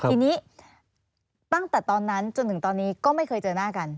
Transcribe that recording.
ทีนี้ตั้งแต่ตอนนั้นจนถึงตอนนี้ก็ไม่เคยเจอหน้ากัน